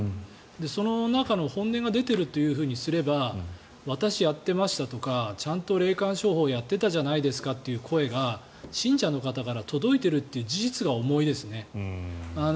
その中の本音が出てるというふうにすれば私、やってましたとかちゃんと霊感商法やってたじゃないですかという声が信者の方から届いているっていう事実が重いですね。